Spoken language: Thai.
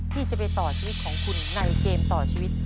ที่จะไปต่อชีวิตของคุณในเกมต่อชีวิต